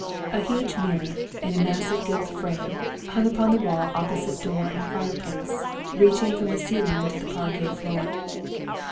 A huge mirror, in a massive gilt frame, hung upon the wall opposite door and fireplace, reaching from the ceiling to the parquet floor.